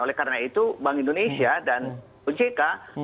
oleh karena itu bank indonesia dan ojk